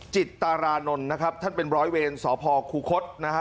จิตตารานนท์นะครับท่านเป็นร้อยเวรสพคูคศนะฮะ